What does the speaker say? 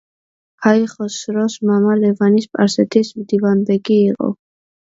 ქაიხოსროს მამა ლევანი სპარსეთის მდივანბეგი იყო.